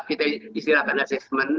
kita istilahkan asesmen